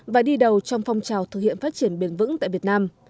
và đi đầu trong phong trào thực hiện phát triển bền vững tại việt nam